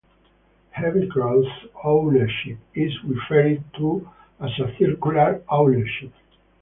Heavy cross ownership is referred to as circular ownership.